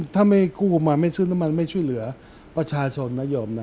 ถ้าไม่กู้มาไม่ซื้อน้ำมันไม่ช่วยเหลือประชาชนนโยมนะ